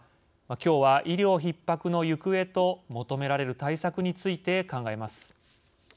きょうは医療ひっ迫の行方と求められる対策について考えます。